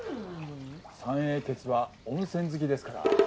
三英傑は温泉好きですから。